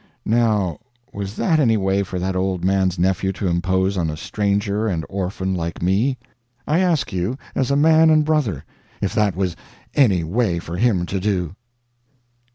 Now, was that any way for that old man's nephew to impose on a stranger and orphan like me? I ask you as a man and brother, if that was any way for him to do?